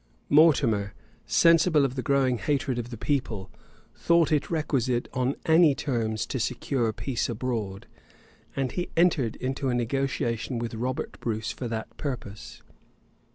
{1328.} Mortimer, sensible of the growing hatred of the people, thought it requisite on any terms to secure peace abroad; and he entered into a negotiation with Robert Bruce for that purpose.